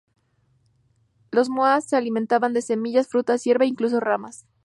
Los moas se alimentaban de semillas, frutas, hierba e incluso ramas.